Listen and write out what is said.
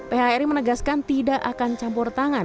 phri menegaskan tidak akan campur tangan